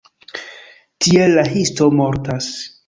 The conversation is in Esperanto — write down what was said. Tiel la histo mortas.